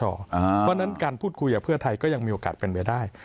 เพราะฉะนั้นการพูดคุยกับเพื่อไทยก็ยังมีโอกาสเป็นไปได้